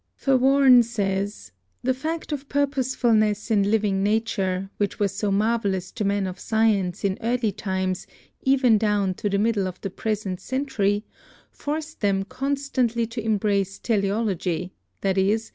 Verworn says: "The fact of purposefulness in living nature, which was so marvelous to men of science in early times even down to the middle of the present century, forced them con stantly to embrace teleology — i.e.